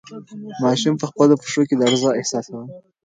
ماشوم په خپلو پښو کې لړزه احساسوله.